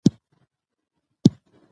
که نصاب په ملي ژبه وي نو زده کړه اسانه ده.